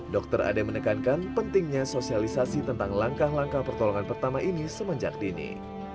dr ade menekankan pentingnya sosialisasi tentang langkah langkah pertolongan pertama ini semenjak dini